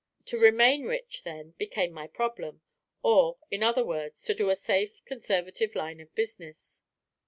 To remain rich, then, became my problem; or, in other words, to do a safe, conservative line of business.